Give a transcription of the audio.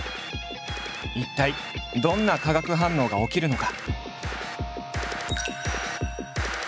一体どんな化学反応が起きるのか？